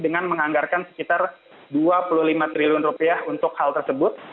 dengan menganggarkan sekitar dua puluh lima triliun rupiah untuk hal tersebut